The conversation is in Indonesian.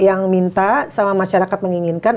yang minta sama masyarakat menginginkan